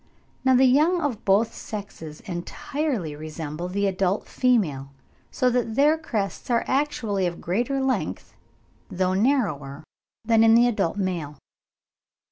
Now the young of both sexes entirely resemble the adult female, so that their crests are actually of greater length, though narrower, than in the adult male.